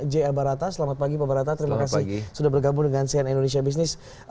j a barata selamat pagi pak barata terima kasih sudah bergabung dengan cn indonesia business